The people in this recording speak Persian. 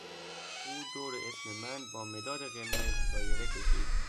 او دور اسم من با مداد قرمز دایره کشید.